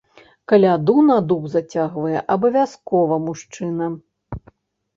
Каляду на дуб зацягвае абавязкова мужчына.